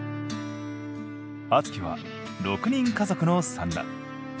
あつきは６人家族の三男。